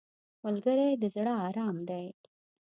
ملګری د زړه ارام دی